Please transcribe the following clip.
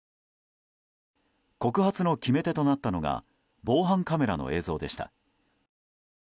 告発の決め手となったのが防犯カメラの映像でした。